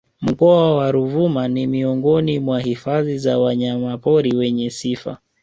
Mkoa wa Ruvuma ni Miongoni mwa hifadhi za Wanyama pori wenye sifa